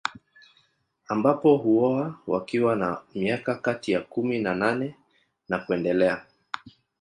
Ambapo huoa wakiwa na miaka kati ya kumi na nane na kuendelea